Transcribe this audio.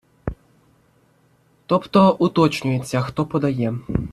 Тобто уточнюється, хто подає.